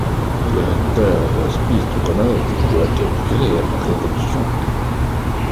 Directeur de l'hospice de Grenoble, il doit émigrer à la Révolution.